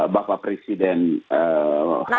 bapak presiden harus mengumumkan